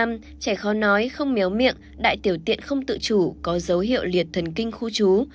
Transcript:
trẻ khó nói không méo miệng đại tiểu tiện không tự chủ có dấu hiệu liệt thần kinh khu trú